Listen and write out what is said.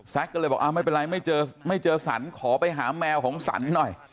ก็เลยบอกไม่เป็นไรไม่เจอไม่เจอสรรขอไปหาแมวของสันหน่อย